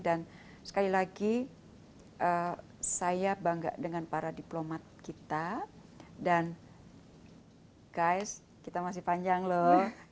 dan sekali lagi saya bangga dengan para diplomat kita dan guys kita masih panjang loh